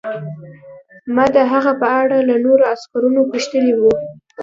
ما د هغه په اړه له نورو عسکرو پوښتلي وو